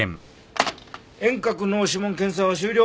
遠隔脳指紋検査は終了。